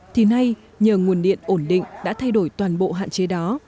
thì nay nhờ nguồn điện ổn định đã thay đổi toàn bộ hạn chế đó